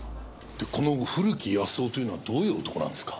でこの古木保男というのはどういう男なんですか？